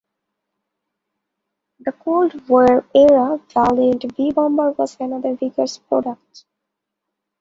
The Cold War-era Valiant V bomber was another Vickers product.